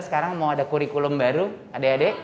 sekarang mau ada kurikulum baru adik adik